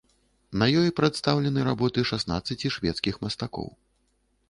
На ёй прадстаўлены работы шаснаццаці шведскіх мастакоў.